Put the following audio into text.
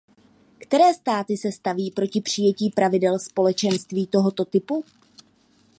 Které státy se staví proti přijetí pravidel Společenství tohoto typu?